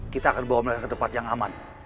kita akan bawa mereka ke tempat yang aman